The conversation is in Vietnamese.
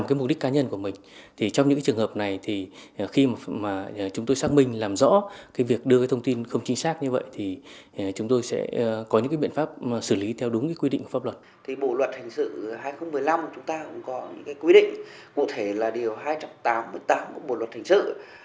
bộ luật hành sự hai nghìn một mươi năm chúng ta cũng có những quy định cụ thể là điều hai trăm tám mươi tám của bộ luật hành sự